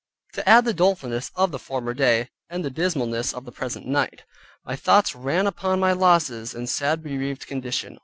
To add to the dolefulness of the former day, and the dismalness of the present night, my thoughts ran upon my losses and sad bereaved condition.